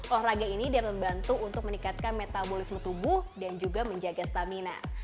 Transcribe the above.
olahraga ini dapat membantu untuk meningkatkan metabolisme tubuh dan juga menjaga stamina